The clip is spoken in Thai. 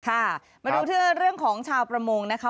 ค่ะมาดูที่เรื่องของชาวประมงนะคะ